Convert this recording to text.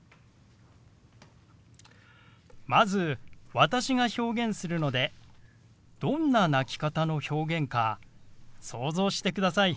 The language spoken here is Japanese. まず私が表現するのでどんな泣き方の表現か想像してください。